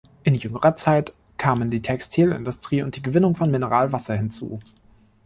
In jüngerer Zeit kamen die Textilindustrie und die Gewinnung von Mineralwasser hinzu.